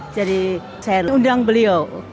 jadi saya undang beliau